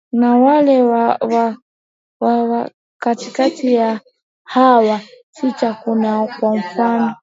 na wale wa wa katikati ya hawa sita kuna kwa mfano